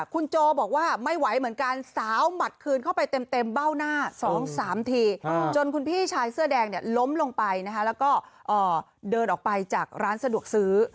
คุณโจบอกว่าไม่ไหวเหมือนกันสาวหมัดคืนเข้าไปเต็มเบ้าหน้า๒๓ทีจนคุณพี่ชายเสื้อแดงเนี่ยล้มลงไปนะคะแล้วก็เดินออกไปจากร้านสะดวกซื้อ